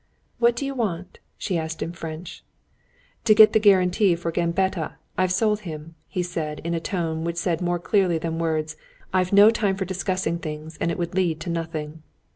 "What do you want?" she asked in French. "To get the guarantee for Gambetta, I've sold him," he said, in a tone which said more clearly than words, "I've no time for discussing things, and it would lead to nothing."